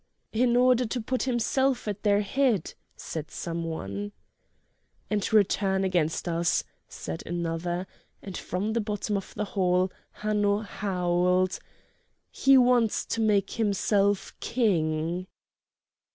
"In order to put himself at their head," said some one. "And return against us," said another; and from the bottom of the hall Hanno howled: "He wants to make himself king!"